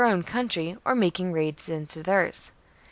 own country or making raids into theirs.